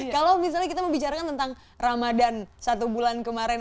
kalau misalnya kita membicarakan tentang ramadan satu bulan kemarin